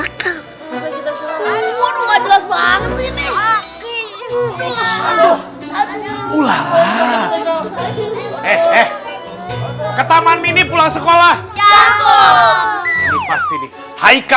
ah kamu kadang kadang banyak